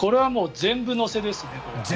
全部乗せですね。